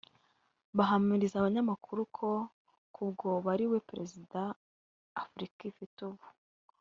bahamiriza abanyamakuru ko ku bwabo ari we Perezida Afrika ifite ubu